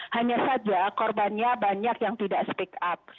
hanya saja korbannya banyak yang tidak speak up